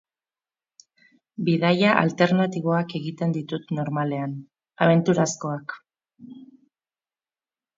Bidaia alternatiboak egiten ditut normalean, abenturazkoak.